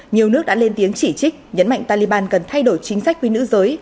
nhiều nước đã lên tiếng chỉ trích nhấn mạnh taliban cần thay đổi chính sách với nữ giới